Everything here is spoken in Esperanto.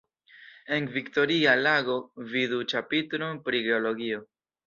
En Viktoria lago vidu ĉapitron pri Geologio.